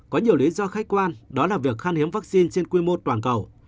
có nhiều lý do khách quan đó là việc khan hiếm vắc xin trên quy mô toàn cầu